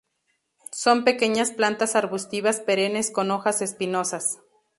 Son pequeñas plantas arbustivas perennes con hojas espinosas.